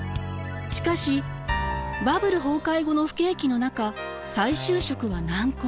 しかしバブル崩壊後の不景気の中再就職は難航。